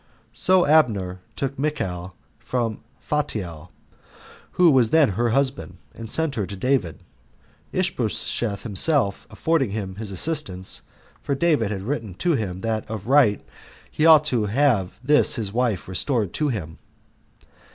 So Abner took Michal from Phaltiel, who was then her husband, and sent her to David, Ishbosheth himself affording him his assistance, for David had written to him that of right he ought to have this his wife restored to him.